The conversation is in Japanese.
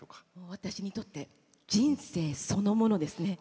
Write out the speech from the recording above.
私にとって人生そのものです。